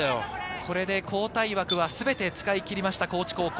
これで交代枠は全て使い切りました、高知高校。